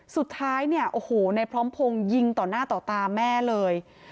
สุดท้ายเนี่ยโอ้โหในพร้อมพงศ์ยิงต่อหน้าต่อตาแม่เลย